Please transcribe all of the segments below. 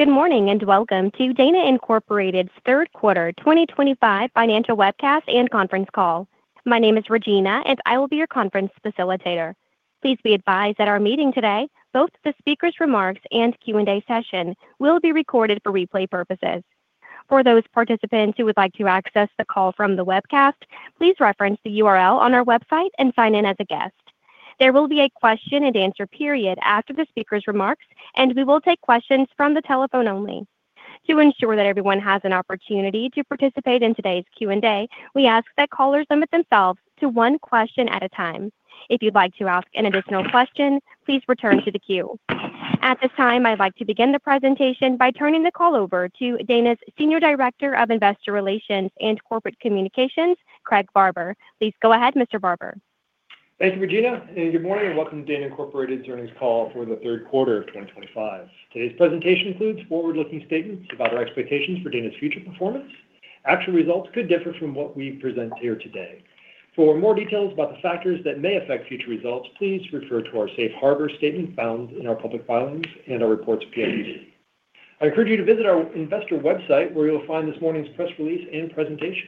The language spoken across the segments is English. Good morning and welcome to Dana Incorporated's third quarter 2025 financial webcast and conference call. My name is Regina and I will be your conference facilitator. Please be advised that our meeting today, both the speaker's remarks and Q&A session, will be recorded for replay purposes. For those participants who would like to access the call from the webcast, please reference the URL on our website and sign in as a guest. There will be a question and answer period after the speaker's remarks, and we will take questions from the telephone only. To ensure that everyone has an opportunity to participate in today's Q&A, we ask that callers limit themselves to one question at a time. If you'd like to ask an additional question, please return to the queue. At this time, I'd like to begin the presentation by turning the call over to Dana's Senior Director of Investor Relations and Corporate Communications, Craig Barber. Please go ahead, Mr. Barber. Thank you, Regina, and good morning and welcome to Dana Incorporated's earnings call for the third quarter of 2025. Today's presentation includes forward-looking statements about our expectations for Dana's future performance. Actual results could differ from what we present here today. For more details about the factors that may affect future results, please refer to our safe harbor statement found in our public filings and our reports at PIPC. I encourage you to visit our investor website where you'll find this morning's press release and presentation.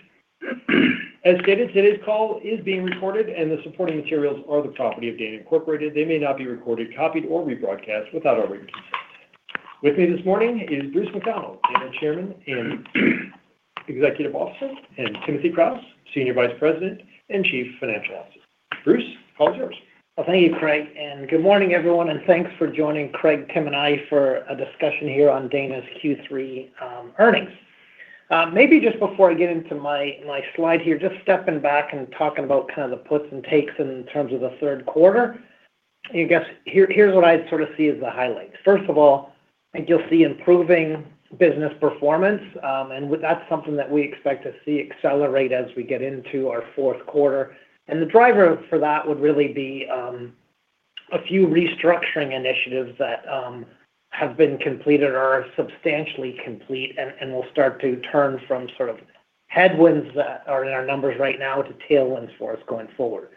As stated, today's call is being recorded and the supporting materials are the property of Dana Incorporated. They may not be recorded, copied, or rebroadcast without our written consent. With me this morning is Bruce McDonald, Dana Chairman and Executive Officer, and Timothy Kraus, Senior Vice President and Chief Financial Officer. Bruce, the floor is yours. Thank you, Craig, and good morning everyone, and thanks for joining Craig, Tim, and I for a discussion here on Dana's Q3 earnings. Maybe just before I get into my slide here, just stepping back and talking about kind of the puts and takes in terms of the third quarter. I guess here's what I sort of see as the highlights. First of all, I think you'll see improving business performance, and that's something that we expect to see accelerate as we get into our fourth quarter. The driver for that would really be a few restructuring initiatives that have been completed or are substantially complete and will start to turn from sort of headwinds that are in our numbers right now to tailwinds for us going forward.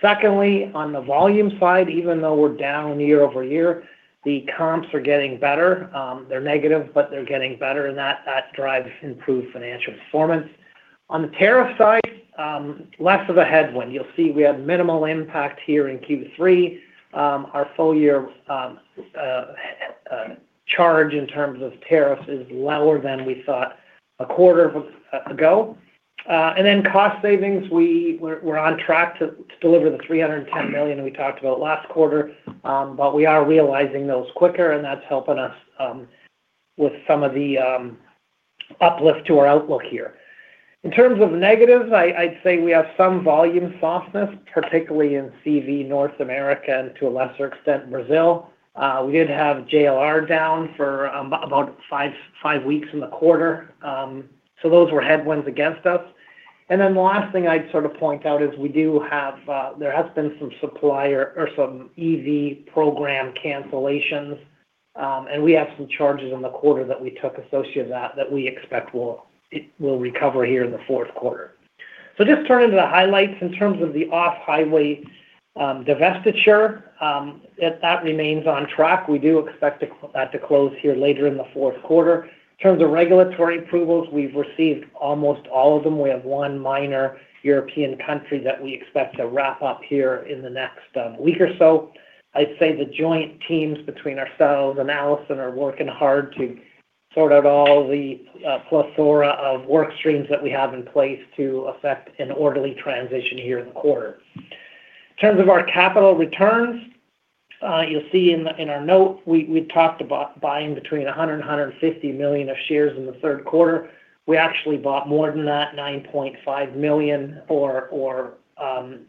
Secondly, on the volume side, even though we're down year over year, the comps are getting better. They're negative, but they're getting better, and that drives improved financial performance. On the tariff side, less of a headwind. You'll see we had minimal impact here in Q3. Our full-year charge in terms of tariffs is lower than we thought a quarter ago. Cost savings, we're on track to deliver the $310 million we talked about last quarter, but we are realizing those quicker, and that's helping us with some of the uplift to our outlook here. In terms of negatives, I'd say we have some volume softness, particularly in CV North America and to a lesser extent Brazil. We did have JLR down for about five weeks in the quarter. Those were headwinds against us. The last thing I'd sort of point out is we do have, there has been some supplier or some EV program cancellations, and we have some charges in the quarter that we took associated with that that we expect will recover here in the fourth quarter. Turning to the highlights in terms of the off-highway divestiture, that remains on track. We do expect that to close here later in the fourth quarter. In terms of regulatory approvals, we've received almost all of them. We have one minor European country that we expect to wrap up here in the next week or so. The joint teams between ourselves and Allison are working hard to sort out all the plethora of workstreams that we have in place to effect an orderly transition here in the quarter. In terms of our capital returns, you'll see in our note we talked about buying between $100 million and $150 million of shares in the third quarter. We actually bought more than that, 9.5 million or 7%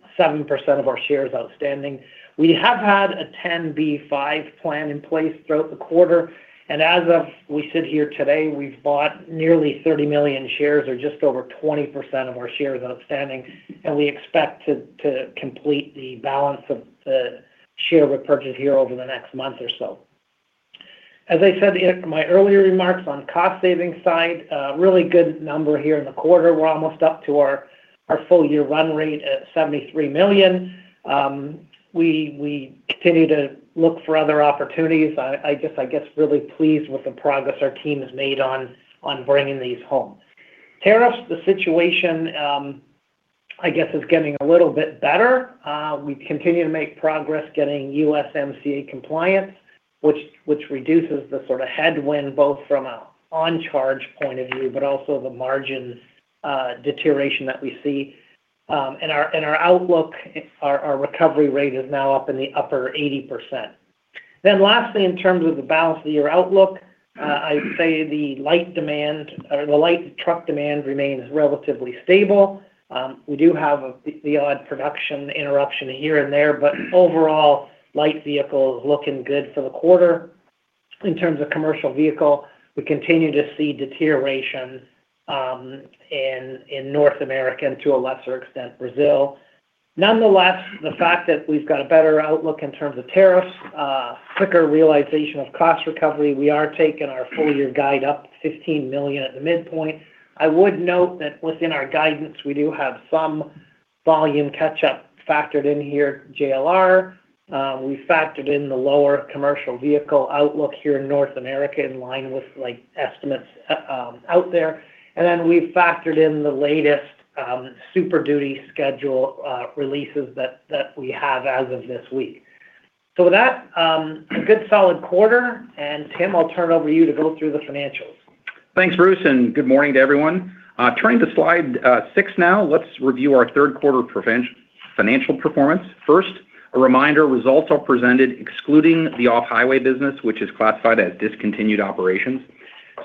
of our shares outstanding. We have had a 10b5 plan in place throughout the quarter, and as we sit here today, we've bought nearly 30 million shares or just over 20% of our shares outstanding, and we expect to complete the balance of the share repurchase here over the next month or so. As I said in my earlier remarks on the cost-saving side, a really good number here in the quarter. We're almost up to our full-year run rate at $73 million. We continue to look for other opportunities. I am really pleased with the progress our team has made on bringing these home. Tariffs, the situation is getting a little bit better. We continue to make progress getting USMCA compliance, which reduces the sort of headwind both from an on-charge point of view, but also the margin deterioration that we see. Our outlook, our recovery rate is now up in the upper 80%. Lastly, in terms of the balance of the year outlook, I'd say the light demand or the light truck demand remains relatively stable. We do have the odd production interruption here and there, but overall light vehicles looking good for the quarter. In terms of commercial vehicle, we continue to see deterioration in North America and to a lesser extent Brazil. Nonetheless, the fact that we've got a better outlook in terms of tariffs, quicker realization of cost recovery, we are taking our full-year guide up $15 million at the midpoint. I would note that within our guidance, we do have some volume catch-up factored in here, JLR. We factored in the lower commercial vehicle outlook here in North America in line with estimates out there. We have factored in the latest Super Duty schedule releases that we have as of this week. With that, a good solid quarter, and Tim, I'll turn it over to you to go through the financials. Thanks, Bruce, and good morning to everyone. Turning to slide six now, let's review our third quarter financial performance. First, a reminder, results are presented excluding the off-highway business, which is classified as discontinued operations.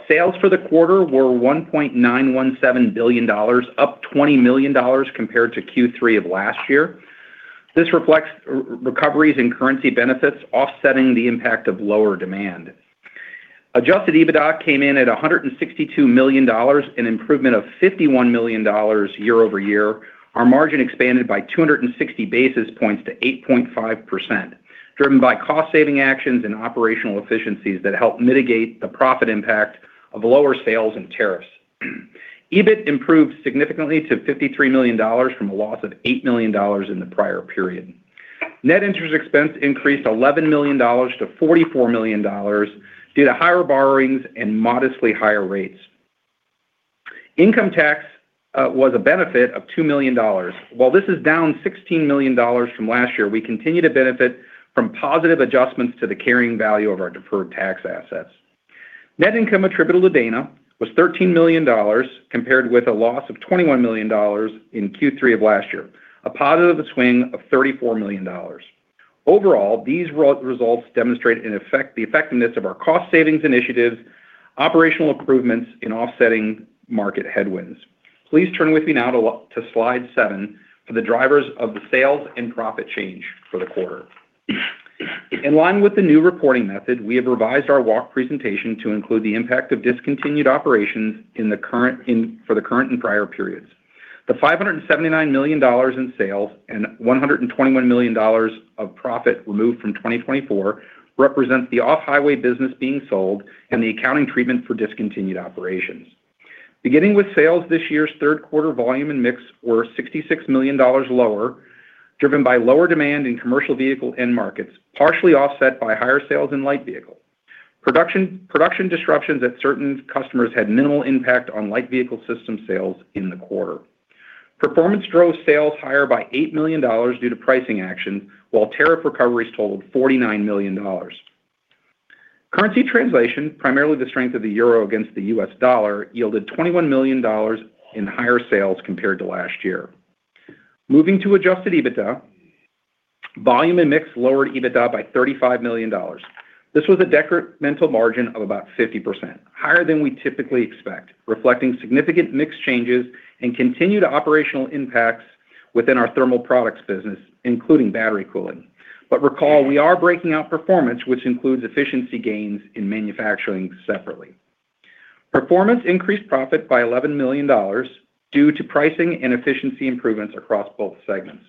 Sales for the quarter were $1.917 billion, up $20 million compared to Q3 of last year. This reflects recoveries in currency benefits, offsetting the impact of lower demand. Adjusted EBITDA came in at $162 million, an improvement of $51 million year over year. Our margin expanded by 260 basis points to 8.5%, driven by cost-saving actions and operational efficiencies that help mitigate the profit impact of lower sales and tariffs. EBIT improved significantly to $53 million from a loss of $8 million in the prior period. Net interest expense increased $11 million to $44 million, due to higher borrowings and modestly higher rates. Income tax was a benefit of $2 million. While this is down $16 million from last year, we continue to benefit from positive adjustments to the carrying value of our deferred tax assets. Net income attributable to Dana was $13 million compared with a loss of $21 million in Q3 of last year, a positive swing of $34 million. Overall, these results demonstrate the effectiveness of our cost-savings initiatives, operational improvements, and offsetting market headwinds. Please turn with me now to slide seven for the drivers of the sales and profit change for the quarter. In line with the new reporting method, we have revised our WOC presentation to include the impact of discontinued operations for the current and prior periods. The $579 million in sales and $121 million of profit removed from 2024 represent the off-highway business being sold and the accounting treatment for discontinued operations. Beginning with sales, this year's third quarter volume and mix were $66 million lower, driven by lower demand in commercial vehicle end markets, partially offset by higher sales in light vehicle. Production disruptions at certain customers had minimal impact on light vehicle system sales in the quarter. Performance drove sales higher by $8 million due to pricing actions, while tariff recoveries totaled $49 million. Currency translation, primarily the strength of the euro against the U.S. dollar, yielded $21 million in higher sales compared to last year. Moving to adjusted EBITDA, volume and mix lowered EBITDA by $35 million. This was a decremental margin of about 50%, higher than we typically expect, reflecting significant mix changes and continued operational impacts within our thermal products business, including battery cooling. Recall, we are breaking out performance, which includes efficiency gains in manufacturing separately. Performance increased profit by $11 million due to pricing and efficiency improvements across both segments.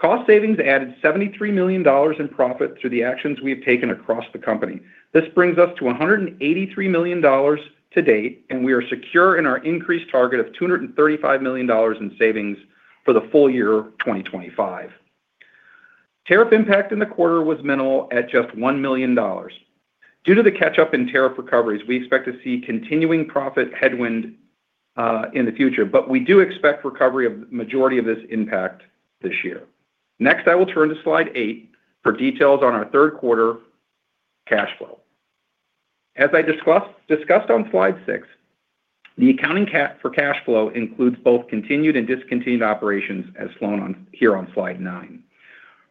Cost savings added $73 million in profit through the actions we have taken across the company. This brings us to $183 million to date, and we are secure in our increased target of $235 million in savings for the full year 2025. Tariff impact in the quarter was minimal at just $1 million. Due to the catch-up in tariff recoveries, we expect to see continuing profit headwind in the future, but we do expect recovery of the majority of this impact this year. Next, I will turn to slide eight for details on our third quarter cash flow. As I discussed on slide six, the accounting for cash flow includes both continued and discontinued operations as shown here on slide nine.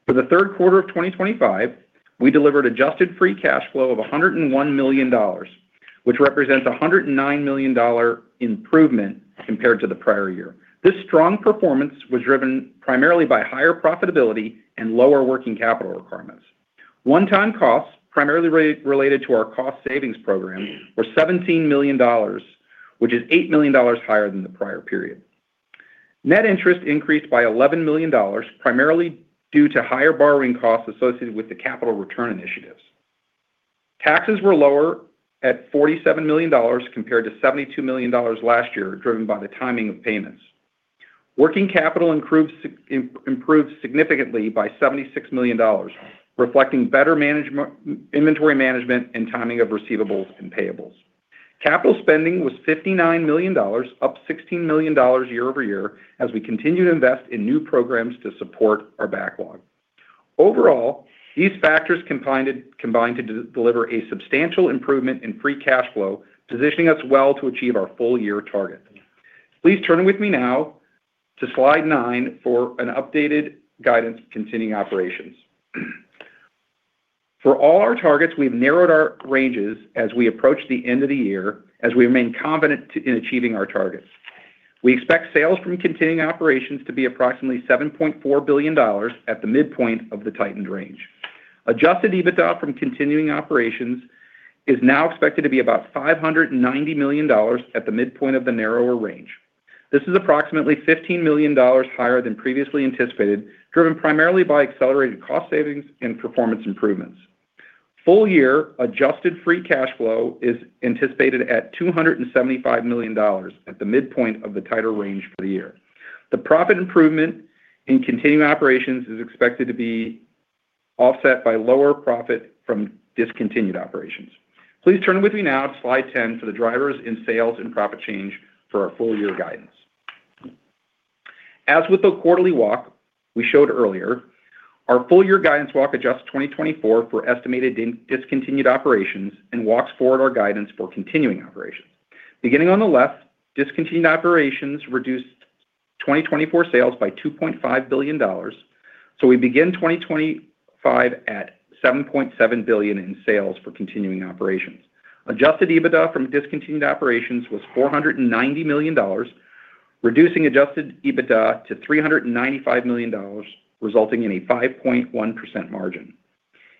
For the third quarter of 2025, we delivered adjusted free cash flow of $101 million, which represents a $109 million improvement compared to the prior year. This strong performance was driven primarily by higher profitability and lower working capital requirements. One-time costs, primarily related to our cost savings program, were $17 million, which is $8 million higher than the prior period. Net interest increased by $11 million, primarily due to higher borrowing costs associated with the capital return initiatives. Taxes were lower at $47 million compared to $72 million last year, driven by the timing of payments. Working capital improved significantly by $76 million, reflecting better inventory management and timing of receivables and payables. Capital spending was $59 million, up $16 million year over year as we continue to invest in new programs to support our backlog. Overall, these factors combine to deliver a substantial improvement in free cash flow, positioning us well to achieve our full-year target. Please turn with me now to slide nine for an updated guidance for continuing operations. For all our targets, we've narrowed our ranges as we approach the end of the year, as we remain confident in achieving our targets. We expect sales from continuing operations to be approximately $7.4 billion at the midpoint of the tightened range. Adjusted EBITDA from continuing operations is now expected to be about $590 million at the midpoint of the narrower range. This is approximately $15 million higher than previously anticipated, driven primarily by accelerated cost savings and performance improvements. Full-year adjusted free cash flow is anticipated at $275 million at the midpoint of the tighter range for the year. The profit improvement in continuing operations is expected to be offset by lower profit from discontinued operations. Please turn with me now to slide 10 for the drivers in sales and profit change for our full-year guidance. As with the quarterly WOC we showed earlier, our full-year guidance WOC adjusts 2024 for estimated discontinued operations and WOC's forward our guidance for continuing operations. Beginning on the left, discontinued operations reduced 2024 sales by $2.5 billion, so we begin 2025 at $7.7 billion in sales for continuing operations. Adjusted EBITDA from discontinued operations was $490 million, reducing adjusted EBITDA to $395 million, resulting in a 5.1% margin.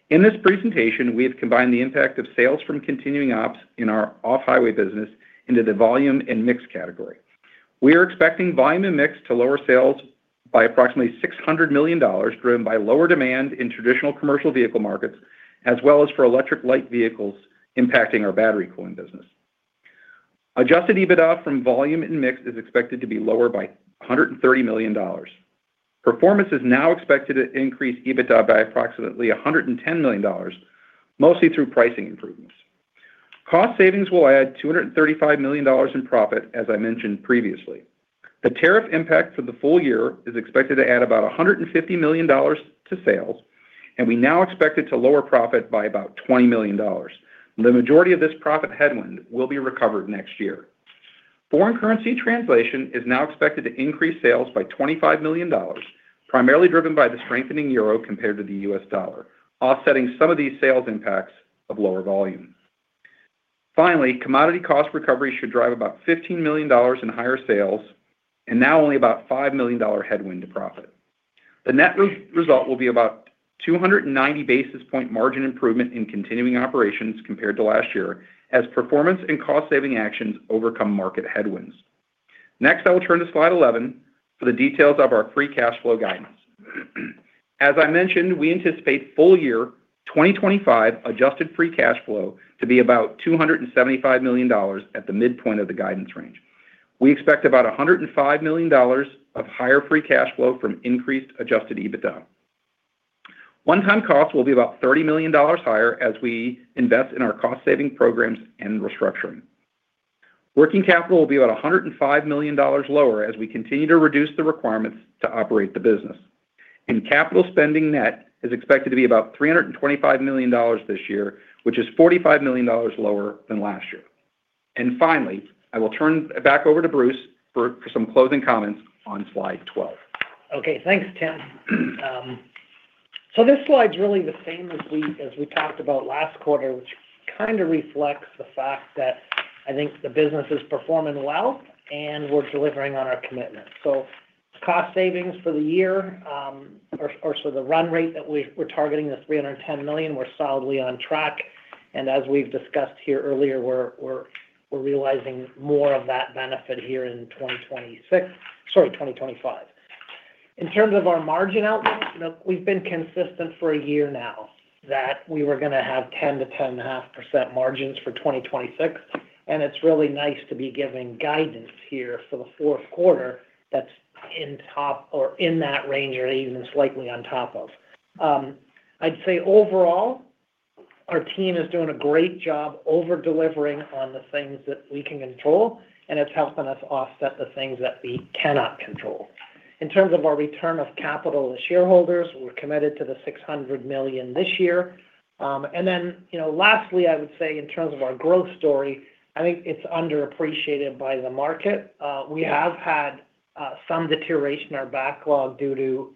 In this presentation, we have combined the impact of sales from continuing operations in our off-highway business into the volume and mix category. We are expecting volume and mix to lower sales by approximately $600 million, driven by lower demand in traditional commercial vehicle markets, as well as for electric light vehicles impacting our battery cooling business. Adjusted EBITDA from volume and mix is expected to be lower by $130 million. Performance is now expected to increase EBITDA by approximately $110 million, mostly through pricing improvements. Cost savings will add $235 million in profit, as I mentioned previously. The tariff impact for the full year is expected to add about $150 million to sales, and we now expect it to lower profit by about $20 million. The majority of this profit headwind will be recovered next year. Foreign currency translation is now expected to increase sales by $25 million, primarily driven by the strengthening euro compared to the U.S. dollar, offsetting some of these sales impacts of lower volume. Finally, commodity cost recovery should drive about $15 million in higher sales and now only about a $5 million headwind to profit. The net result will be about a 290 basis point margin improvement in continuing operations compared to last year, as performance and cost-saving actions overcome market headwinds. Next, I will turn to slide 11 for the details of our free cash flow guidance. As I mentioned, we anticipate full-year 2025 adjusted free cash flow to be about $275 million at the midpoint of the guidance range. We expect about $105 million of higher free cash flow from increased adjusted EBITDA. One-time costs will be about $30 million higher as we invest in our cost-saving programs and restructuring. Working capital will be about $105 million lower as we continue to reduce the requirements to operate the business. Capital spending net is expected to be about $325 million this year, which is $45 million lower than last year. Finally, I will turn back over to Bruce for some closing comments on slide 12. Okay, thanks, Tim. This slide is really the same as we talked about last quarter, which kind of reflects the fact that I think the business is performing well and we're delivering on our commitment. Cost savings for the year, or the run rate that we're targeting, the $310 million, we're solidly on track. As we've discussed here earlier, we're realizing more of that benefit here in 2026, sorry, 2025. In terms of our margin outlook, we've been consistent for a year now that we were going to have 10%-10.5% margins for 2026. It's really nice to be giving guidance here for the fourth quarter that's in that range or even slightly on top of. I'd say overall, our team is doing a great job over-delivering on the things that we can control, and it's helping us offset the things that we cannot control. In terms of our return of capital to shareholders, we're committed to the $600 million this year. Lastly, I would say in terms of our growth story, I think it's underappreciated by the market. We have had some deterioration in our backlog due to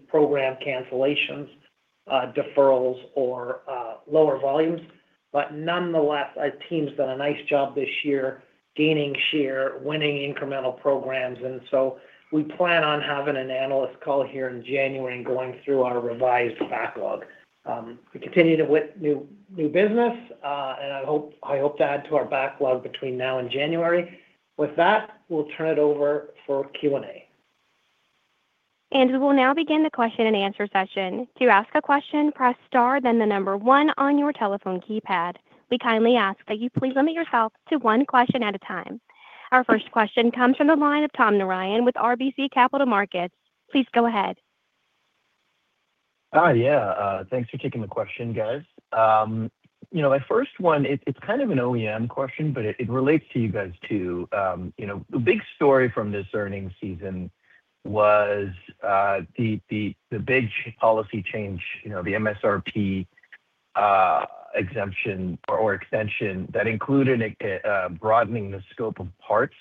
EV program cancellations, deferrals, or lower volumes. Nonetheless, our team's done a nice job this year, gaining share, winning incremental programs. We plan on having an analyst call here in January and going through our revised backlog. We continue to win new business, and I hope to add to our backlog between now and January. With that, we'll turn it over for Q&A. We will now begin the question and answer session. To ask a question, press star then the number one on your telephone keypad. We kindly ask that you please limit yourself to one question at a time. Our first question comes from the line of Tom Narayan with RBC Capital Markets. Please go ahead. Yeah, thanks for taking the question, guys. My first one, it's kind of an OEM question, but it relates to you guys too. The big story from this earnings season was the big policy change, the MSRP exemption or extension that included broadening the scope of parts.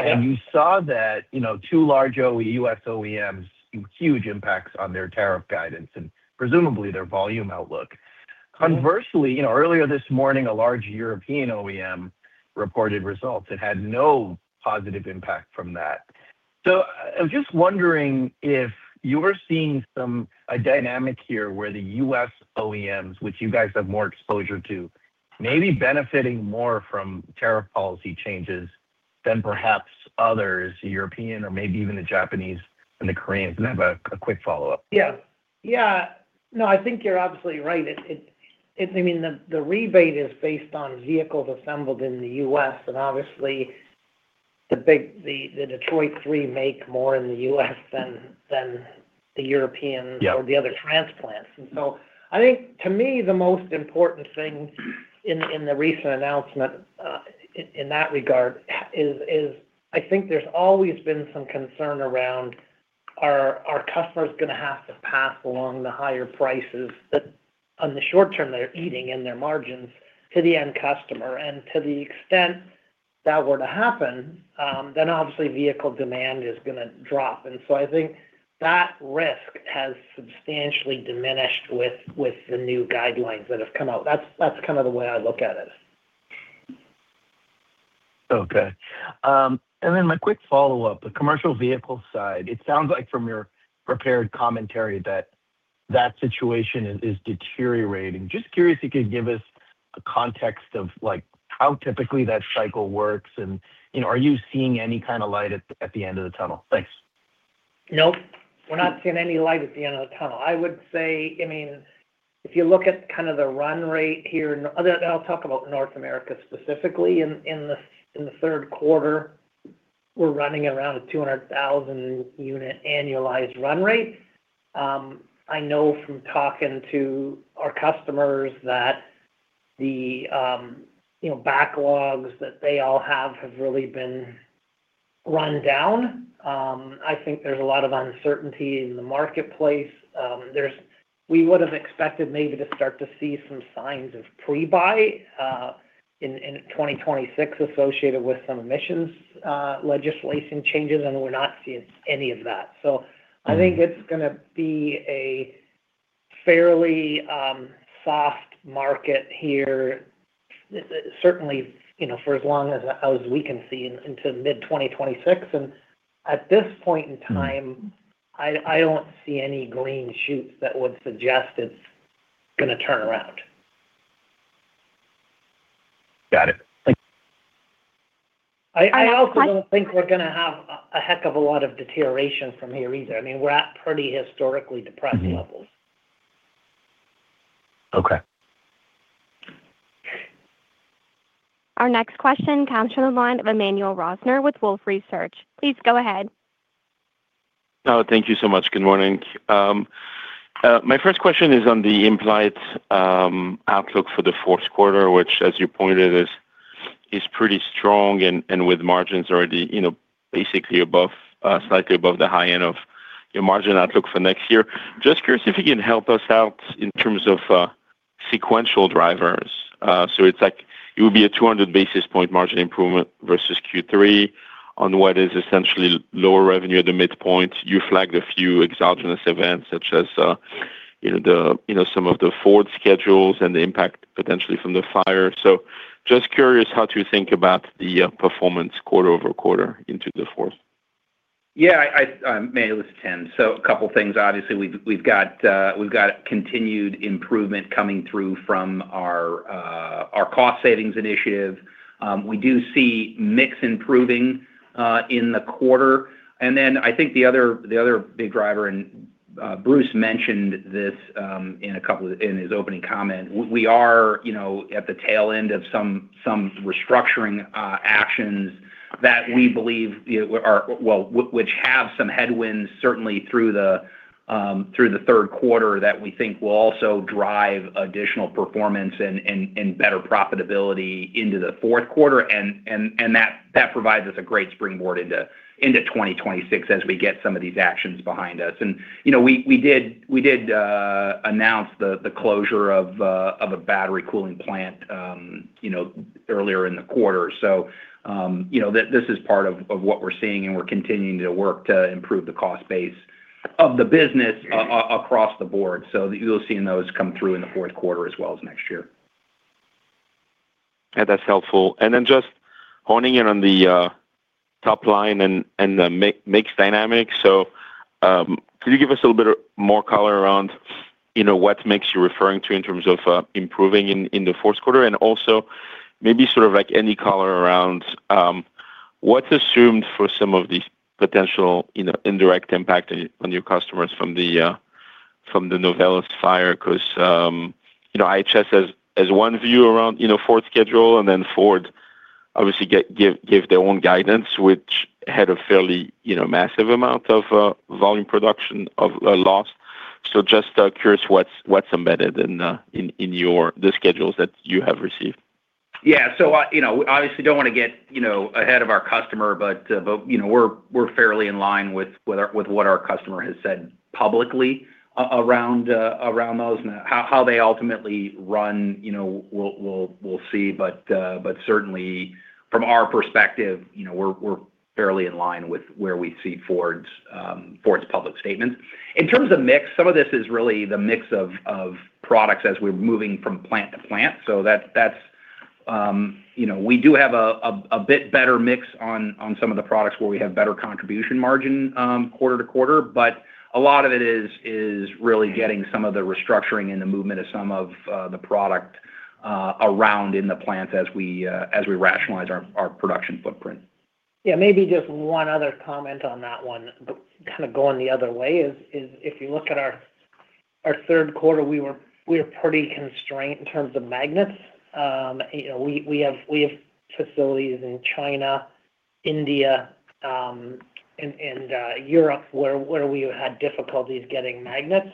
You saw that two large U.S. OEMs, huge impacts on their tariff guidance and presumably their volume outlook. Conversely, earlier this morning, a large European OEM reported results that had no positive impact from that. I was just wondering if you were seeing some dynamic here where the U.S. OEMs, which you guys have more exposure to, may be benefiting more from tariff policy changes than perhaps others, the European or maybe even the Japanese and the Koreans. I have a quick follow-up. Yeah, I think you're absolutely right. I mean, the rebate is based on vehicles assembled in the U.S., and obviously the Detroit 3 make more in the U.S. than the European or the other transplants. To me, the most important thing in the recent announcement in that regard is I think there's always been some concern around are our customers going to have to pass along the higher prices that in the short term they're eating in their margins to the end customer. To the extent that were to happen, obviously vehicle demand is going to drop. I think that risk has substantially diminished with the new guidelines that have come out. That's kind of the way I look at it. Okay. My quick follow-up, the commercial vehicle side, it sounds like from your prepared commentary that that situation is deteriorating. Just curious if you could give us a context of how typically that cycle works and you know, are you seeing any kind of light at the end of the tunnel? Thanks. Nope. We're not seeing any light at the end of the tunnel. I would say, if you look at kind of the run rate here, and I'll talk about North America specifically, in the third quarter, we're running around a 200,000 unit annualized run rate. I know from talking to our customers that the backlogs that they all have have really been run down. I think there's a lot of uncertainty in the marketplace. We would have expected maybe to start to see some signs of pre-buy in 2026 associated with some emissions legislation changes, and we're not seeing any of that. I think it's going to be a fairly soft market here, certainly for as long as we can see into mid-2026. At this point in time, I don't see any green shoots that would suggest it's going to turn around. Got it. I also don't think we're going to have a heck of a lot of deterioration from here either. I mean, we're at pretty historically depressed levels. Okay. Our next question comes from the line of Emmanuel Rosner with Wolfe Research. Please go ahead. Oh, thank you so much. Good morning. My first question is on the implied outlook for the fourth quarter, which, as you pointed, is pretty strong and with margins already, you know, basically above, slightly above the high end of your margin outlook for next year. Just curious if you can help us out in terms of sequential drivers. It looks like it would be a 200 basis point margin improvement versus Q3 on what is essentially lower revenue at the midpoint. You flagged a few exogenous events such as, you know, some of the Ford schedules and the impact potentially from the fire. Just curious, how do you think about the performance quarter over quarter into the fourth? Yeah, Emmanuel's it's Tim. A couple of things. Obviously, we've got continued improvement coming through from our cost-saving initiative. We do see mix improving in the quarter. I think the other big driver, and Bruce mentioned this in a couple of his opening comments, we are at the tail end of some restructuring actions that we believe are, which have some headwinds certainly through the third quarter that we think will also drive additional performance and better profitability into the fourth quarter. That provides us a great springboard into 2026 as we get some of these actions behind us. We did announce the closure of a battery cooling plant earlier in the quarter. This is part of what we're seeing and we're continuing to work to improve the cost base of the business across the board. You'll see those come through in the fourth quarter as well as next year. Yeah, that's helpful. Could you give us a little bit more color around what mix you're referring to in terms of improving in the fourth quarter? Also, maybe any color around what's assumed for some of these potential indirect impacts on your customers from the Novelis fire? IHS has one view around Ford schedule, and then Ford obviously gave their own guidance, which had a fairly massive amount of volume production of loss. Just curious what's embedded in your schedules that you have received. Yeah, we obviously don't want to get ahead of our customer, but we're fairly in line with what our customer has said publicly around those. How they ultimately run, we'll see. Certainly, from our perspective, we're fairly in line with where we see Ford's public statements. In terms of mix, some of this is really the mix of products as we're moving from plant to plant. We do have a bit better mix on some of the products where we have better contribution margin quarter to quarter. A lot of it is really getting some of the restructuring and the movement of some of the product around in the plants as we rationalize our production footprint. Yeah, maybe just one other comment on that one, kind of going the other way is if you look at our third quarter, we were pretty constrained in terms of magnets. We have facilities in China, India, and Europe where we had difficulties getting magnets.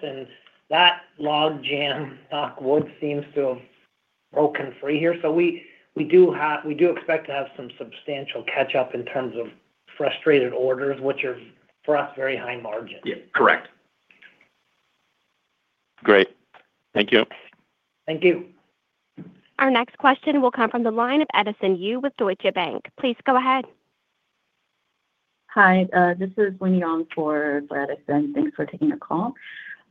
That logjam, knock wood, seems to have broken free here. We do expect to have some substantial catch-up in terms of frustrated orders, which are for us very high margin. Yeah, correct. Great. Thank you. Thank you. Our next question will come from the line of Edison Yu with Deutsche Bank. Please go ahead. Hi, this is Wenyang for Edison. Thanks for taking the call.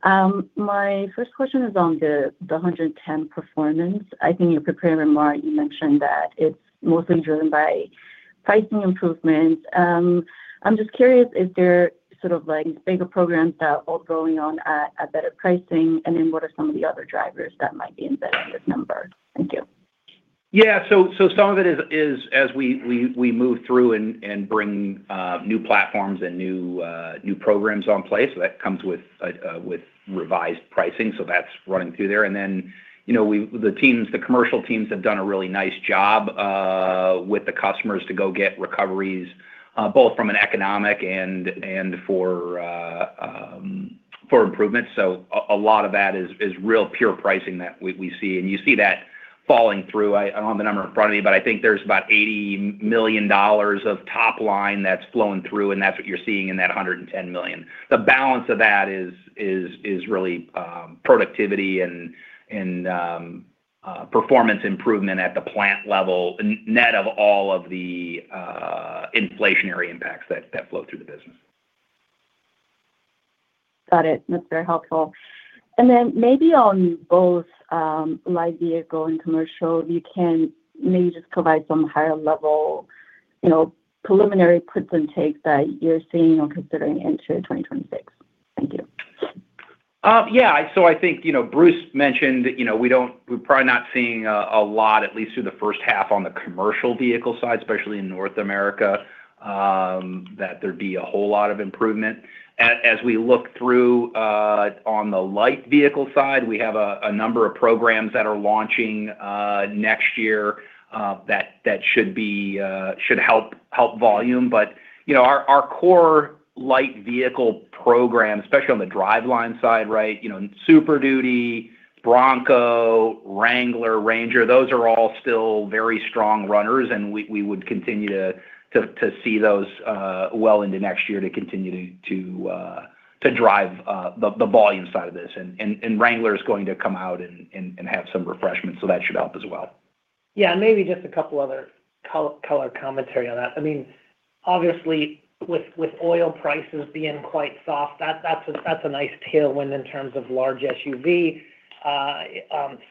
My first question is on the $110 million performance. I think in your prepared remark, you mentioned that it's mostly driven by pricing improvements. I'm just curious, is there sort of like bigger programs that are both going on at better pricing? What are some of the other drivers that might be embedded in this number? Thank you. Yeah, some of it is as we move through and bring new platforms and new programs on place. That comes with revised pricing, so that's running through there. The commercial teams have done a really nice job with the customers to go get recoveries both from an economic and for improvements. A lot of that is real pure pricing that we see, and you see that falling through. I don't have the number in front of me, but I think there's about $80 million of top line that's flowing through, and that's what you're seeing in that $110 million. The balance of that is really productivity and performance improvement at the plant level, net of all of the inflationary impacts that flow through the business. Got it. That's very helpful. Maybe on both light vehicle and commercial, you can maybe just provide some higher level, you know, preliminary puts and takes that you're seeing or considering into 2026. Thank you. Yeah, I think, you know, Bruce mentioned, we don't, we're probably not seeing a lot, at least through the first half on the commercial vehicle side, especially in North America, that there'd be a whole lot of improvement. As we look through on the light vehicle side, we have a number of programs that are launching next year that should help volume. You know, our core light vehicle program, especially on the driveline side, right? You know, Super Duty, Bronco, Wrangler, Ranger, those are all still very strong runners, and we would continue to see those well into next year to continue to drive the volume side of this. Wrangler is going to come out and have some refreshments, so that should help as well. Yeah, maybe just a couple other color commentary on that. I mean, obviously, with oil prices being quite soft, that's a nice tailwind in terms of large SUV.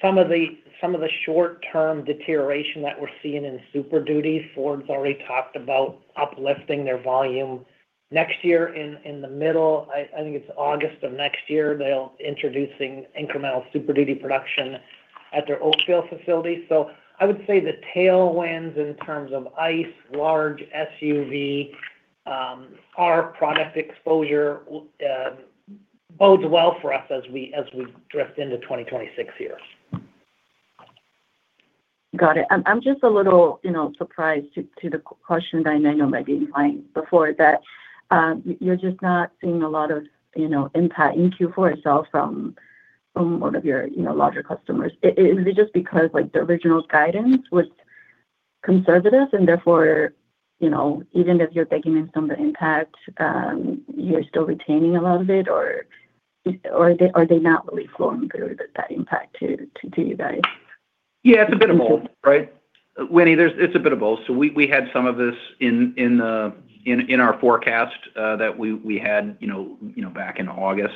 Some of the short-term deterioration that we're seeing in Super Duty, Ford's already talked about uplifting their volume next year. In the middle, I think it's August of next year, they'll be introducing incremental Super Duty production at their Oakville facility. I would say the tailwinds in terms of ICE, large SUV, our product exposure bodes well for us as we drift into 2026 here. Got it. I'm just a little surprised to the question that I know you might be implying before that you're just not seeing a lot of impact in Q4 itself from one of your larger customers. Is it just because the original guidance was conservative and therefore, even if you're taking in some of the impact, you're still retaining a lot of it, or are they not really flowing through that impact to you guys? Yeah, it's a bit of both, right? Weny, it's a bit of both. We had some of this in our forecast that we had back in August,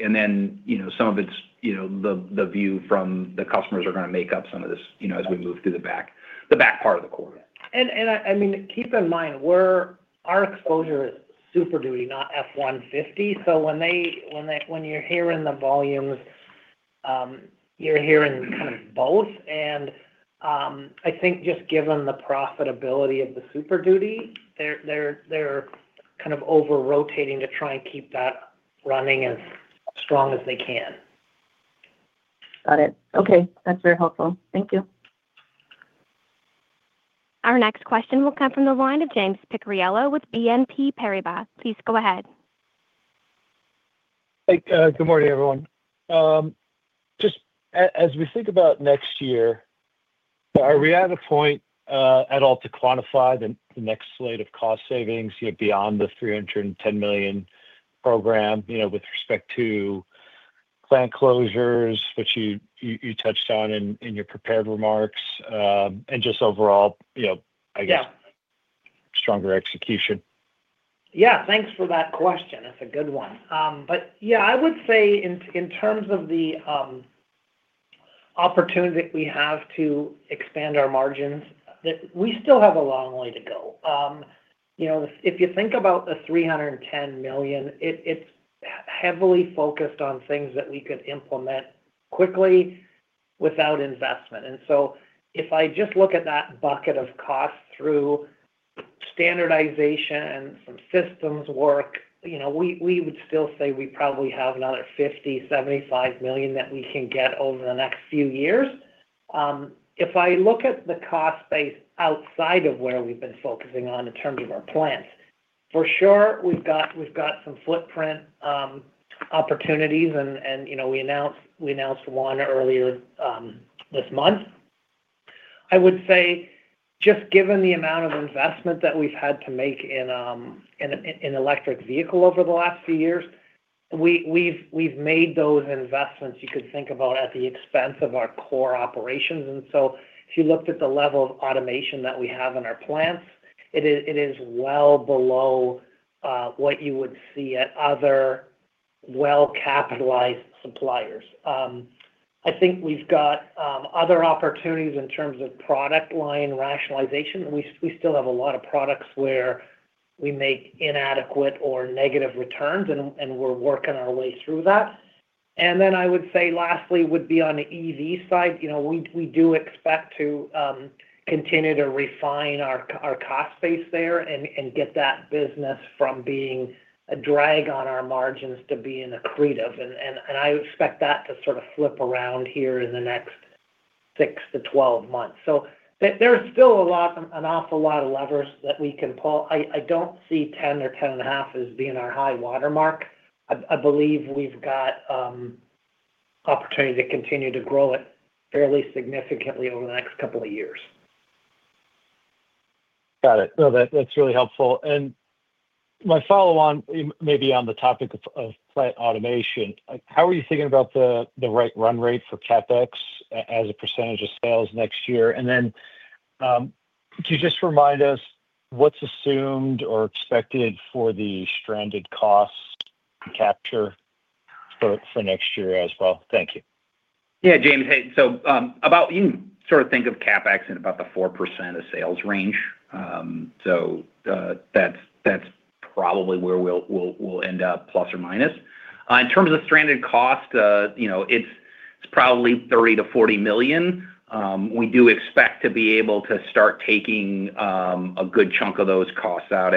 and then some of it's the view from the customers are going to make up some of this as we move through the back part of the quarter. Keep in mind, our exposure is Super Duty, not F-150. When you're hearing the volumes, you're hearing kind of both. I think just given the profitability of the Super Duty, they're kind of over-rotating to try and keep that running as strong as they can. Got it. Okay, that's very helpful. Thank you. Our next question will come from the line of James Picariello with BNP Paribas. Please go ahead. Good morning, everyone. Just as we think about next year, are we at a point at all to quantify the next slate of cost savings, beyond the $310 million program, with respect to plant closures, which you touched on in your prepared remarks? Just overall, I guess, yeah, stronger execution. Yeah, thanks for that question. That's a good one. I would say in terms of the opportunity that we have to expand our margins, that we still have a long way to go. If you think about the $310 million, it's heavily focused on things that we could implement quickly without investment. If I just look at that bucket of costs through standardization, some systems work, we would still say we probably have another $50 million, $75 million that we can get over the next few years. If I look at the cost base outside of where we've been focusing on in terms of our plants, for sure, we've got some footprint opportunities. You know, we announced one earlier this month. I would say just given the amount of investment that we've had to make in an electric vehicle over the last few years, we've made those investments you could think about at the expense of our core operations. If you looked at the level of automation that we have in our plants, it is well below what you would see at other well-capitalized suppliers. I think we've got other opportunities in terms of product line rationalization. We still have a lot of products where we make inadequate or negative returns, and we're working our way through that. Lastly, on the EV side, we do expect to continue to refine our cost base there and get that business from being a drag on our margins to being accretive. I expect that to sort of flip around here in the next 6 months-12 months. There's still an awful lot of levers that we can pull. I don't see 10% or 10.5% as being our high watermark. I believe we've got opportunity to continue to grow it fairly significantly over the next couple of years. Got it. No, that's really helpful. My follow-on may be on the topic of plant automation. How are you thinking about the right run rate for CapEx as a % of sales next year? Could you just remind us what's assumed or expected for the stranded costs to capture for next year as well? Thank you. Yeah, James. Hey, you can sort of think of CapEx in about the 4% of sales range. That's probably where we'll end up, plus or minus. In terms of stranded cost, it's probably $30 million-$40 million. We do expect to be able to start taking a good chunk of those costs out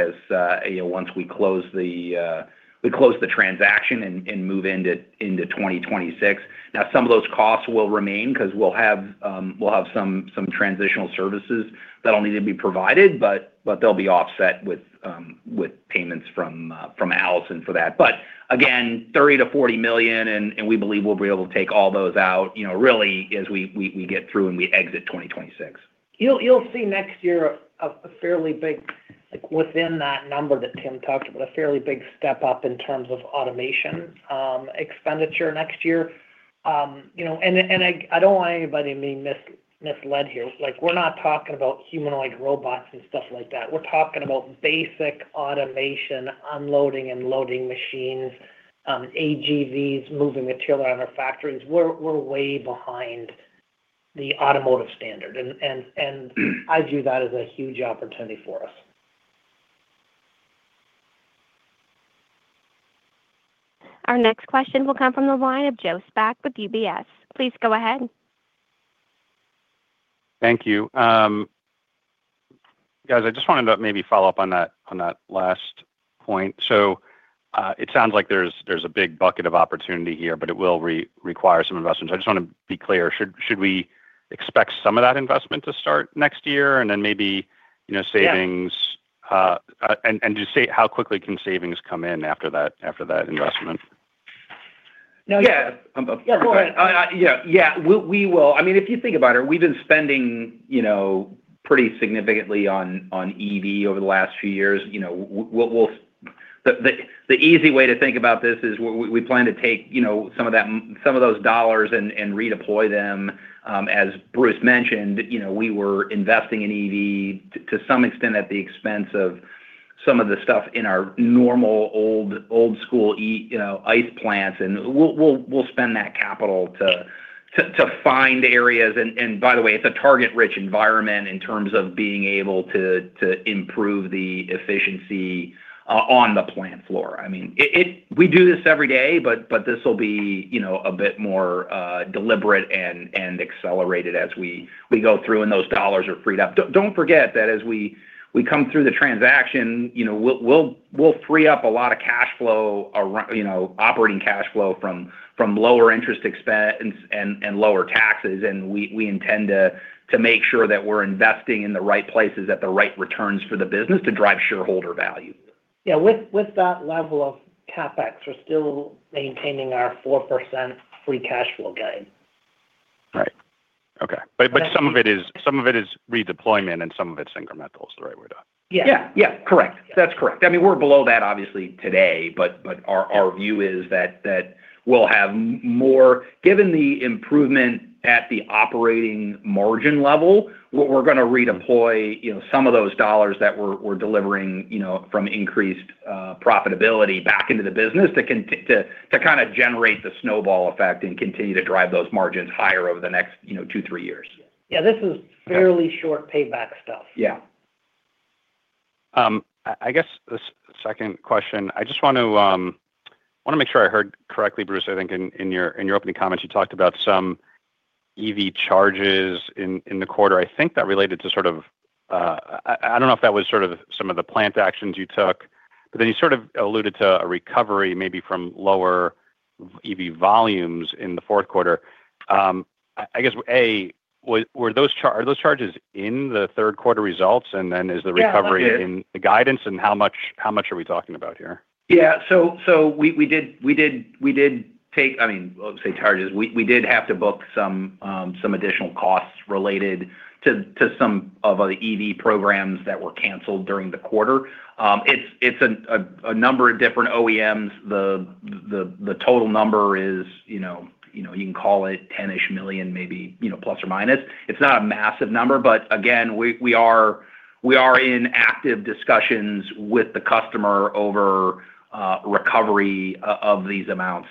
once we close the transaction and move into 2026. Some of those costs will remain because we'll have some transitional services that'll need to be provided, but they'll be offset with payments from Allison for that. Again, $30 million-$40 million, and we believe we'll be able to take all those out as we get through and we exit 2026. You'll see next year a fairly big, like within that number that Tim talked about, a fairly big step up in terms of automation expenditure next year. I don't want anybody to be misled here. We're not talking about humanoid robots and stuff like that. We're talking about basic automation, unloading and loading machines, AGVs, moving material around our factories. We're way behind the automotive standard. I view that as a huge opportunity for us. Our next question will come from the line of Joe Spak with UBS. Please go ahead. Thank you. I just wanted to maybe follow up on that last point. It sounds like there's a big bucket of opportunity here, but it will require some investment. I just want to be clear. Should we expect some of that investment to start next year, and then, you know, savings? How quickly can savings come in after that investment? Yeah, we will. I mean, if you think about it, we've been spending pretty significantly on EV over the last few years. The easy way to think about this is we plan to take some of those dollars and redeploy them. As Bruce mentioned, we were investing in EV to some extent at the expense of some of the stuff in our normal old-school ICE plants. We'll spend that capital to find areas. By the way, it's a target-rich environment in terms of being able to improve the efficiency on the plant floor. I mean, we do this every day, but this will be a bit more deliberate and accelerated as we go through and those dollars are freed up. Don't forget that as we come through the transaction, we'll free up a lot of cash flow, operating cash flow from lower interest expense and lower taxes. We intend to make sure that we're investing in the right places at the right returns for the business to drive shareholder value. Yeah, with that level of CapEx, we're still maintaining our 4% free cash flow guide. Right. Okay. Some of it is redeployment and some of it's incremental is the right way to... Yeah, correct. That's correct. I mean, we're below that obviously today, but our view is that we'll have more, given the improvement at the operating margin level. We're going to redeploy some of those dollars that we're delivering from increased profitability back into the business to kind of generate the snowball effect and continue to drive those margins higher over the next two, three years. Yeah, this is fairly short payback stuff. Yeah. I guess the second question, I just want to make sure I heard correctly, Bruce, I think in your opening comments, you talked about some EV charges in the quarter. I think that related to sort of, I don't know if that was sort of some of the plant actions you took, but then you alluded to a recovery maybe from lower EV volumes in the fourth quarter. I guess, A, were those charges in the third quarter results? Is the recovery in the guidance? How much are we talking about here? Yeah, we did take, I mean, I'll say charges. We did have to book some additional costs related to some of the EV programs that were canceled during the quarter. It's a number of different OEMs. The total number is, you know, you can call it $10 million, maybe, you know, plus or minus. It's not a massive number, but again, we are in active discussions with the customer over recovery of these amounts.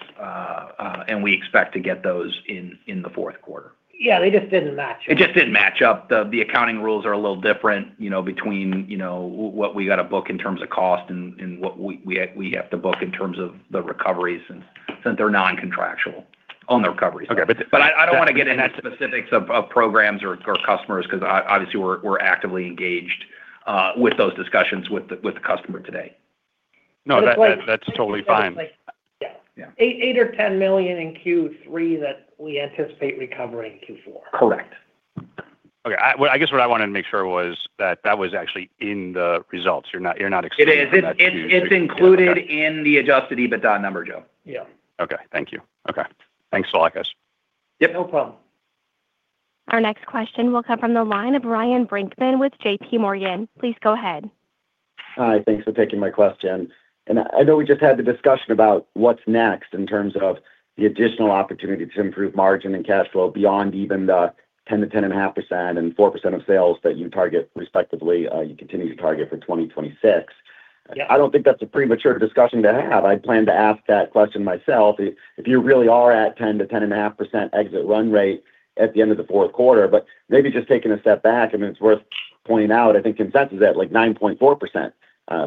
We expect to get those in the fourth quarter. Yeah, they just didn't match up. It just didn't match up. The accounting rules are a little different between what we got to book in terms of cost and what we have to book in terms of the recoveries, since they're non-contractual on the recoveries. I don't want to get into specifics of programs or customers because obviously we're actively engaged with those discussions with the customer today. No, that's totally fine. Yeah, $8 million or $10 million in Q3 that we anticipate recovering in Q4. Correct. Okay. I guess what I wanted to make sure was that that was actually in the results. You're not expecting it to be in the results. It's included in the adjusted EBITDA number, Joe. Thank you. Thanks for all that guys. Yep. No problem. Our next question will come from the line of Ryan Brinkman with JPMorgan. Please go ahead. Hi, thanks for taking my question. I know we just had the discussion about what's next in terms of the additional opportunity to improve margin and cash flow beyond even the 10%-10.5% and 4% of sales that you target respectively, you continue to target for 2026. I don't think that's a premature discussion to have. I'd plan to ask that question myself if you really are at 10%-10.5% exit run rate at the end of the fourth quarter. Maybe just taking a step back, it's worth pointing out, I think consensus is at like 9.4%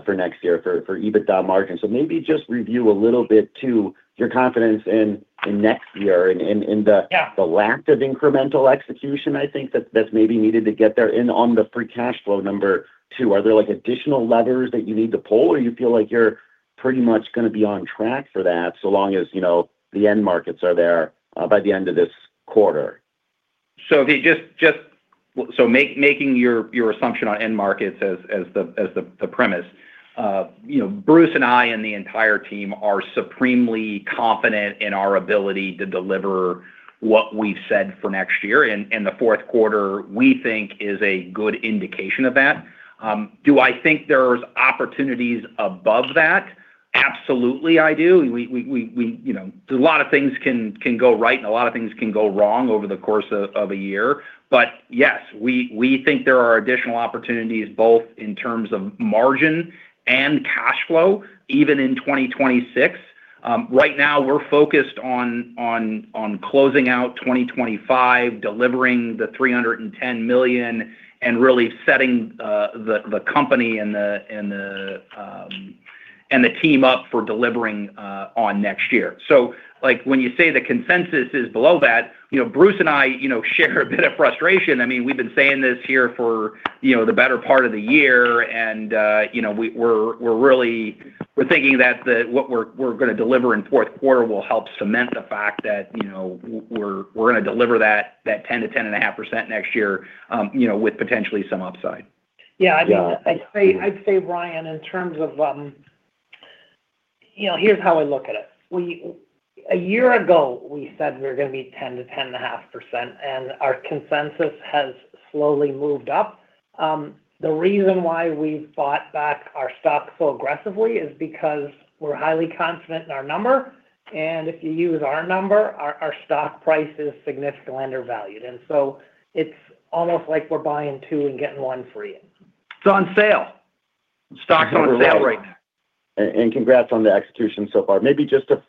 for next year for EBITDA margin. Maybe just review a little bit too your confidence in next year and in the lack of incremental execution, I think, that's maybe needed to get there and on the free cash flow number too. Are there additional levers that you need to pull or you feel like you're pretty much going to be on track for that so long as, you know, the end markets are there by the end of this quarter? Just making your assumption on end markets as the premise, you know, Bruce and I and the entire team are supremely confident in our ability to deliver what we've said for next year. The fourth quarter, we think, is a good indication of that. Do I think there's opportunities above that? Absolutely, I do. A lot of things can go right and a lot of things can go wrong over the course of a year. Yes, we think there are additional opportunities both in terms of margin and cash flow, even in 2026. Right now, we're focused on closing out 2025, delivering the $310 million, and really setting the company and the team up for delivering on next year. When you say the consensus is below that, you know, Bruce and I share a bit of frustration. I mean, we've been saying this here for the better part of the year. We're really thinking that what we're going to deliver in the fourth quarter will help cement the fact that we're going to deliver that 10%-10.5% next year, with potentially some upside. Yeah, I mean, I'd say, Ryan, in terms of, you know, here's how I look at it. A year ago, we said we were going to be 10%-10.5%, and our consensus has slowly moved up. The reason why we've bought back our stock so aggressively is because we're highly confident in our number. If you use our number, our stock price is significantly undervalued. It's almost like we're buying two and getting one free in. It's on sale. The stock's on sale right now. Congratulations on the execution so far. Maybe just to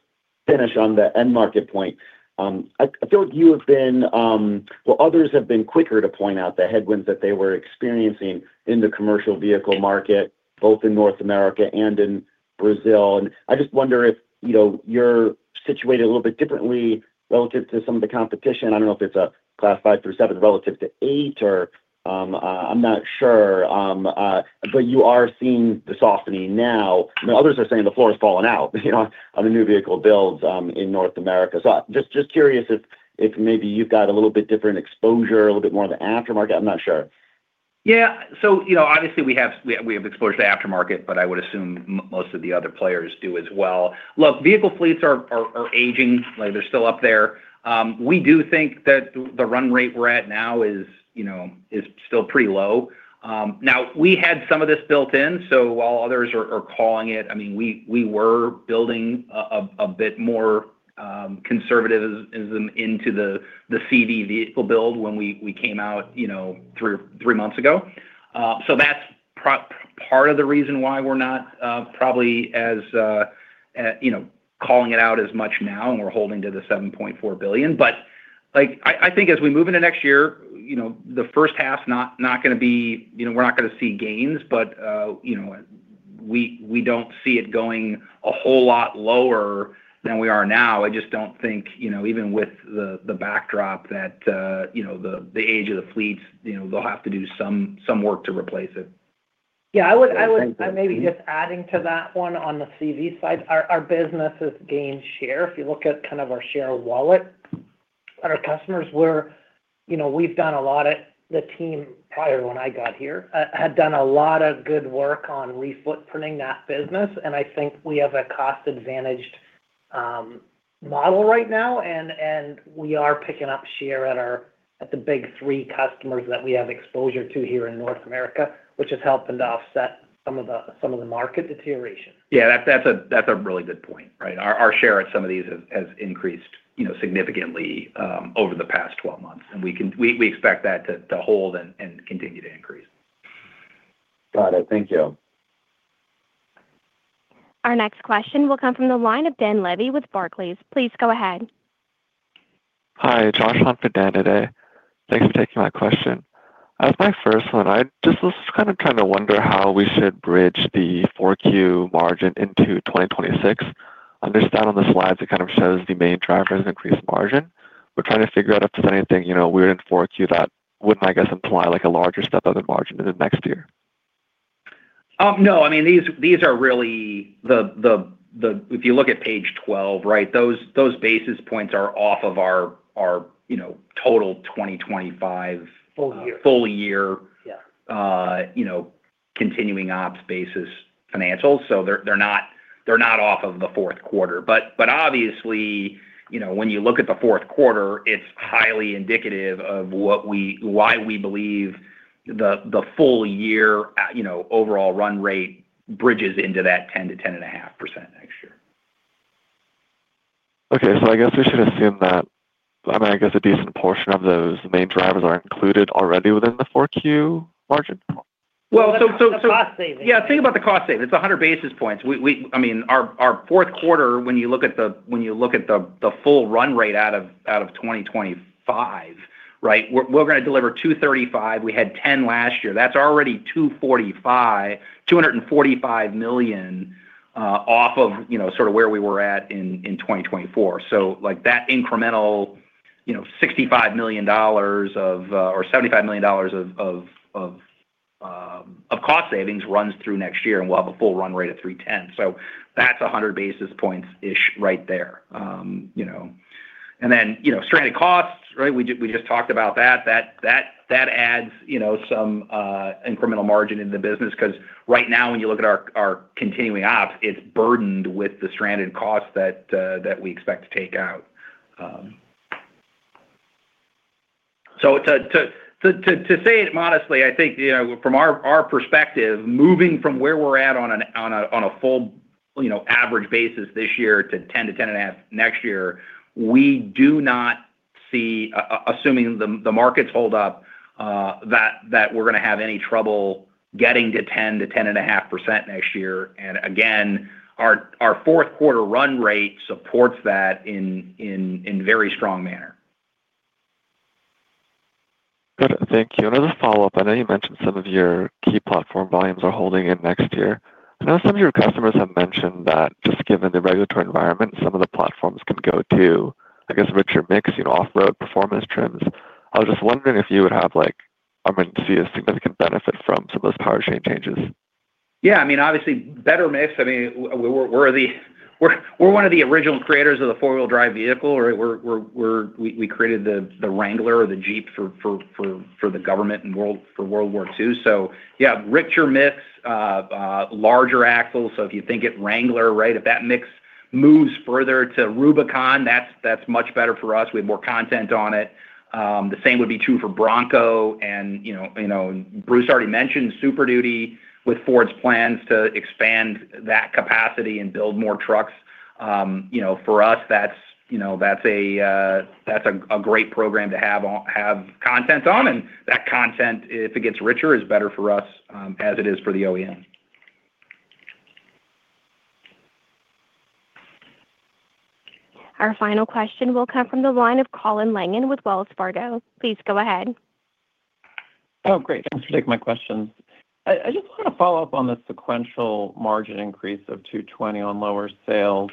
finish on the end market point, I feel like you have been, while others have been quicker to point out the headwinds that they were experiencing in the commercial vehicle market, both in North America and in Brazil. I just wonder if you are situated a little bit differently relative to some of the competition. I do not know if it is a class five through seven relative to eight, or I am not sure. You are seeing the softening now. Others are saying the floor has fallen out on the new vehicle builds in North America. I am just curious if maybe you have got a little bit different exposure, a little bit more on the aftermarket. I am not sure. Yeah, obviously we have exposure to aftermarket, but I would assume most of the other players do as well. Look, vehicle fleets are aging. They're still up there. We do think that the run rate we're at now is still pretty low. We had some of this built in. While others are calling it, we were building a bit more conservatism into the CV vehicle build when we came out three months ago. That's part of the reason why we're not probably calling it out as much now and we're holding to the $7.4 billion. I think as we move into next year, the first half is not going to be, we're not going to see gains, but we don't see it going a whole lot lower than we are now. I just don't think, even with the backdrop that the age of the fleets, they'll have to do some work to replace it. I would maybe just add to that one on the CV side. Our business has gained share. If you look at kind of our share wallet at our customers, we've done a lot. The team prior to when I got here had done a lot of good work on refootprinting that business. I think we have a cost-advantaged model right now, and we are picking up share at the big three customers that we have exposure to here in North America, which has helped to offset some of the market deterioration. Yeah, that's a really good point, right? Our share at some of these has increased significantly over the past 12 months, and we expect that to hold and continue to increase. Got it. Thank you. Our next question will come from the line of Dan Levy with Barclays. Please go ahead. Hi, how's your day today? Thanks for taking my question. As my first one, I just was kind of trying to wonder how we should bridge the 4Q margin into 2026. I understand on the slides, it kind of shows the main drivers increase margin. We're trying to figure out if there's anything, you know, weird in 4Q that wouldn't, I guess, imply like a larger step of the margin in the next year. No, I mean, these are really, if you look at page 12, those basis points are off of our total 2025 full year continuing ops basis financials. They're not off of the fourth quarter. Obviously, when you look at the fourth quarter, it's highly indicative of why we believe the full year overall run rate bridges into that 10%-10.5% next year. Okay, I guess we should assume that a decent portion of those main drivers are included already within the 4Q margin. The cost savings, yeah, think about the cost savings. It's 100 basis points. I mean, our fourth quarter, when you look at the full run rate out of 2025, right, we're going to deliver $235 million. We had $10 million last year. That's already $245 million off of, you know, sort of where we were at in 2024. That incremental, you know, $65 million or $75 million of cost savings runs through next year, and we'll have a full run rate of $310 million. That's 100 basis points right there. You know, and then, you know, stranded costs, right? We just talked about that. That adds, you know, some incremental margin in the business because right now, when you look at our continuing ops, it's burdened with the stranded costs that we expect to take out. To say it modestly, I think, you know, from our perspective, moving from where we're at on a full, you know, average basis this year to 10%-10.5% next year, we do not see, assuming the markets hold up, that we're going to have any trouble getting to 10%-10.5% next year. Again, our fourth quarter run rate supports that in a very strong manner. Got it. Thank you. Another follow-up, I know you mentioned some of your key platform volumes are holding in next year. I know some of your customers have mentioned that just given the regulatory environment, some of the platforms can go to, I guess, richer mix, you know, off-road performance trims. I was just wondering if you would have, like, I mean, see a significant benefit from some of those powertrain changes. Yeah, I mean, obviously, better mix. I mean, we're one of the original creators of the four-wheel drive vehicle. We created the Jeep for the government in World War II. Yeah, richer mix, larger axles. If you think at Wrangler, right, if that mix moves further to Rubicon, that's much better for us. We have more content on it. The same would be true for Bronco. Bruce already mentioned Super Duty with Ford's plans to expand that capacity and build more trucks. For us, that's a great program to have content on, and that content, if it gets richer, is better for us as it is for the OEM. Our final question will come from the line of Colin Langan with Wells Fargo. Please go ahead. Oh, great. Thanks for taking my questions. I just want to follow up on the sequential margin increase of $220 million on lower sales.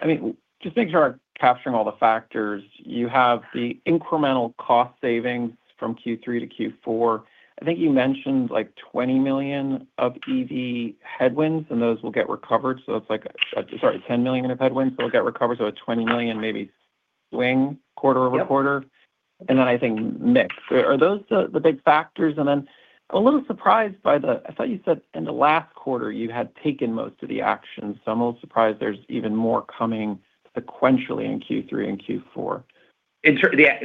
I mean, just make sure I'm capturing all the factors. You have the incremental cost savings from Q3 to Q4. I think you mentioned like $10 million of EV headwinds, and those will get recovered. It's like, sorry, $10 million of headwinds that will get recovered. So a $20 million maybe swing quarter over quarter. I think mix. Are those the big factors? I'm a little surprised by the, I thought you said in the last quarter you had taken most of the actions. I'm a little surprised there's even more coming sequentially in Q3 and Q4.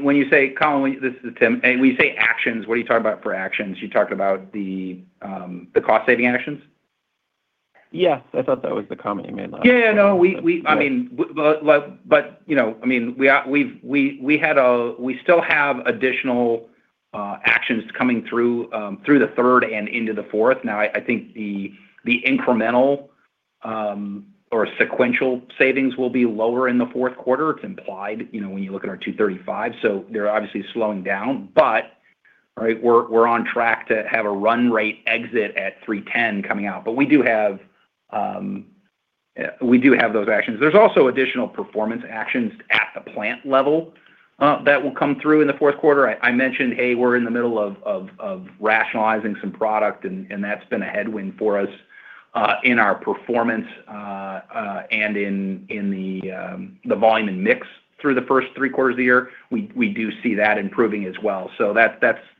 When you say, Colin, this is Tim. When you say actions, what are you talking about for actions? You talked about the cost-saving actions? Yes, I thought that was the comment you made last time. Yeah, no, I mean, we had a, we still have additional actions coming through the third and into the fourth. I think the incremental or sequential savings will be lower in the fourth quarter. It's implied when you look at our $235 million. They're obviously slowing down. We're on track to have a run rate exit at $310 million coming out. We do have those actions. There's also additional performance actions at the plant level that will come through in the fourth quarter. I mentioned we're in the middle of rationalizing some product, and that's been a headwind for us in our performance and in the volume and mix through the first three quarters of the year. We do see that improving as well.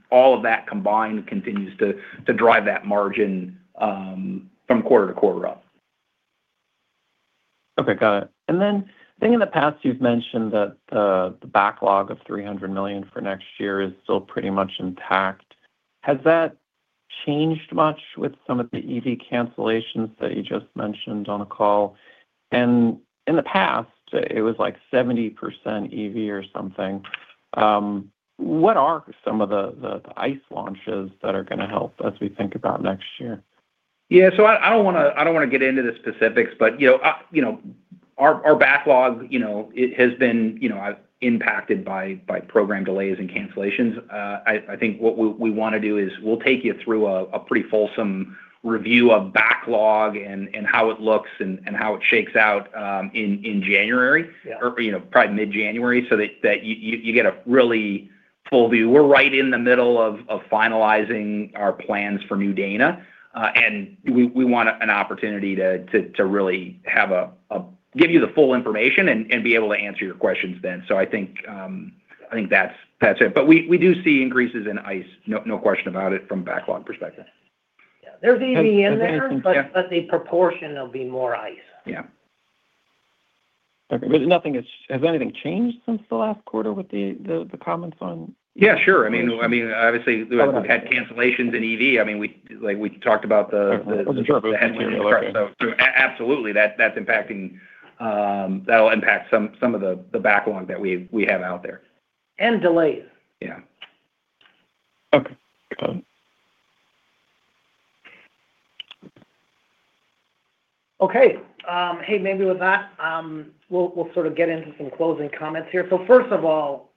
All of that combined continues to drive that margin from quarter to quarter up. Okay, got it. I think in the past you've mentioned that the backlog of $300 million for next year is still pretty much intact. Has that changed much with some of the EV cancellations that you just mentioned on the call? In the past, it was like 70% EV or something. What are some of the ICE launches that are going to help as we think about next year? Yeah, I don't want to get into the specifics, but our backlog has been impacted by program delays and cancellations. I think what we want to do is take you through a pretty fulsome review of backlog and how it looks and how it shakes out in January, or probably mid-January, so that you get a really full view. We're right in the middle of finalizing our plans for new Dana, and we want an opportunity to really give you the full information and be able to answer your questions then. I think that's it. We do see increases in ICE, no question about it, from a backlog perspective. Yeah, there's EV in there, but the proportion will be more ICE. Yeah. Okay, has anything changed since the last quarter with the comments on? Yeah, sure. Obviously, we've had cancellations in EV. Like we talked about, the headwind will absolutely impact some of the backlog that we have out there. And delays. Yeah. Okay, got it. Okay. Maybe with that, we'll sort of get into some closing comments here. First of all,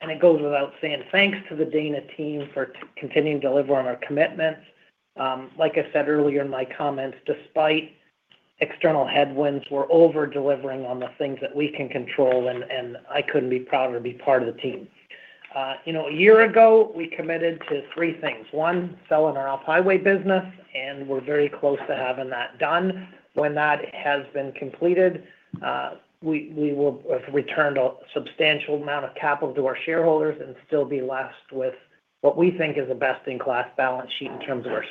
and it goes without saying, thanks to the Dana team for continuing to deliver on our commitments. Like I said earlier in my comments, despite external headwinds, we're over-delivering on the things that we can control, and I couldn't be prouder to be part of the team. A year ago, we committed to three things. One, selling our off-highway business, and we're very close to having that done. When that has been completed, we will have returned a substantial amount of capital to our shareholders and still be left with what we think is a best-in-class balance sheet in terms of our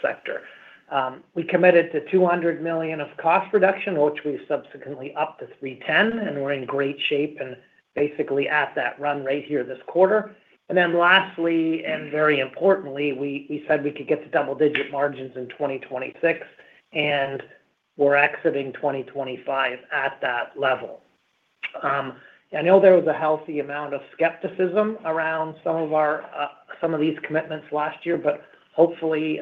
sector. We committed to $200 million of cost reduction, which we've subsequently upped to $310 million, and we're in great shape and basically at that run rate here this quarter. Lastly, and very importantly, we said we could get to double-digit margins in 2026, and we're exiting 2025 at that level. I know there was a healthy amount of skepticism around some of these commitments last year, but hopefully,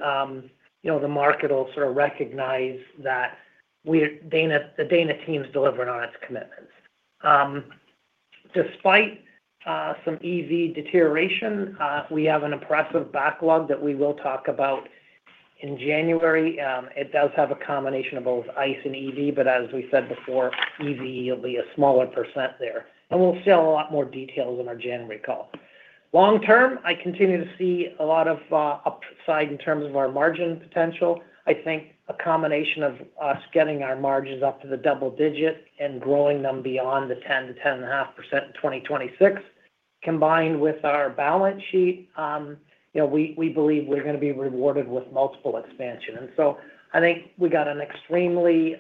the market will sort of recognize that the Dana team is delivering on its commitments. Despite some EV deterioration, we have an impressive backlog that we will talk about in January. It does have a combination of both ICE and EV, but as we said before, EV will be a smaller percent there. We'll share a lot more details in our January call. Long-term, I continue to see a lot of upside in terms of our margin potential. I think a combination of us getting our margins up to the double digit and growing them beyond the 10%-10.5% in 2026, combined with our balance sheet, we believe we're going to be rewarded with multiple expansion. I think we got an extremely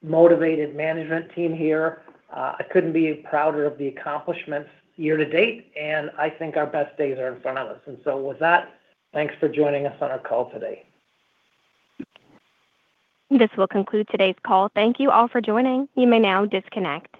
motivated management team here. I couldn't be prouder of the accomplishments year to date, and I think our best days are in front of us. With that, thanks for joining us on our call today. This will conclude today's call. Thank you all for joining. You may now disconnect.